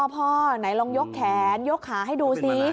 พ่อไหนลองยกแขนยกขาให้ดูซิ